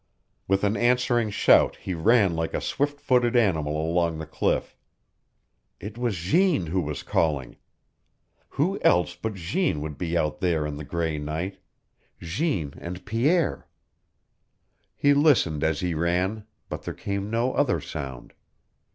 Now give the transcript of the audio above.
With an answering shout he ran like a swift footed animal along the cliff. It was Jeanne who was calling! Who else but Jeanne would be out there in the gray night Jeanne and Pierre? He listened as he ran, but there came no other sound.